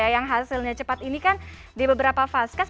yang hasilnya cepat ini kan di beberapa vaskes